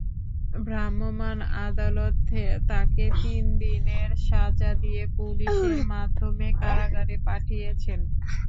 ভ্রাম্যমাণ আদালত তাঁকে তিন দিনের সাজা দিয়ে পুলিশের মাধ্যমে কারাগারে পাঠিয়েছেন।